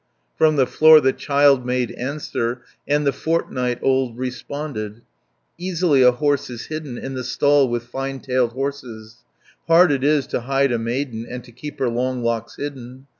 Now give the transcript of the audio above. From the floor the child made answer, And the fortnight old responded: "Easily a horse is hidden In the stall, with fine tailed horses; Hard it is to hide a maiden, And to keep her long locks hidden.